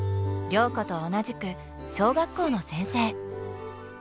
良子と同じく小学校の先生。